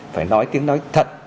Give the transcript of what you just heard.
phải nói tiếng nói thật